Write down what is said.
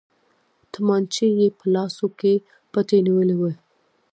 تمانچې يې په لاسو کې پټې نيولې وې.